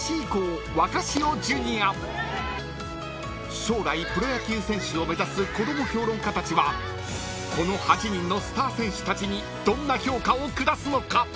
［将来プロ野球選手を目指す子ども評論家たちはこの８人のスター選手たちにどんな評価を下すのか］